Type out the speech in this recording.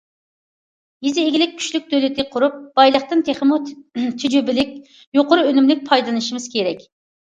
يېزا ئىگىلىك كۈچلۈك دۆلىتى قۇرۇپ، بايلىقتىن تېخىمۇ تۈجۈپىلىك، يۇقىرى ئۈنۈملۈك پايدىلىنىشىمىز كېرەك.